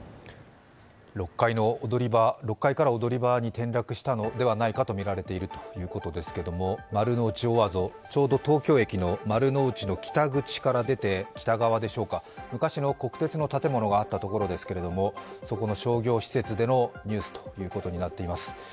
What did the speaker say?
６階から踊り場に転落したのではないかとみられているということですけど、丸の内オアゾ、ちょうど東京駅の丸の内の北口から出て北側でしょうか、昔の国鉄の建物があったところですけど、そこの商業施設でのニュースということになっています。